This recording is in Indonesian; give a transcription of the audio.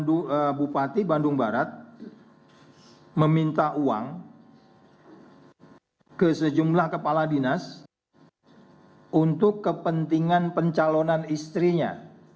bupati bandung barat meminta uang ke sejumlah kepala dinas untuk kepentingan pencalonan istrinya